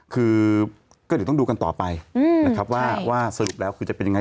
คือก็จะต้องดูกันต่อไปอืมนะครับว่าว่าสรุปแล้วคือจะเป็นยังไง